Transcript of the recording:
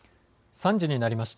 ３時になりました。